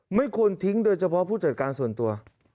ไม่ควรทิ้งโดยเฉพาะผู้จัดการส่วนตัว